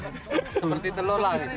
seperti telur lagi